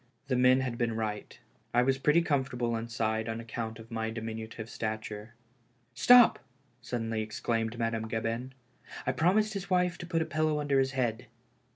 The men had been right. I was pretty com fortable inside on account of my diminutive stature. " Stop !" suddenly exclaimed Madame Gabin. " I promised his wife to put a pillow under his head."